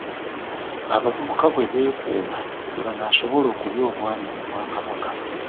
Abavubuka bwe beekuuma lwe banaasobola okulya Obwami mu Bwakabaka.